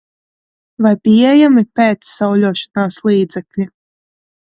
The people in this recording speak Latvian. Vai pieejami pēc sauļošanās līdzekļi?